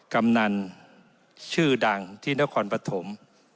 กำนันชื่อดังที่นครปฐม